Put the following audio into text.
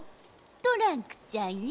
トランクちゃんよ。